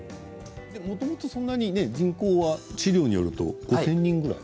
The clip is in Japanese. もともと、そんなに人口は資料によると５０００人くらい。